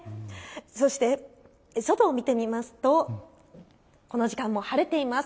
そして外を見てみますとこの時間も晴れています。